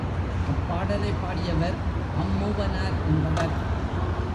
அப்பாடலைப் பாடியவர் அம்மூவனார் என்பவர்.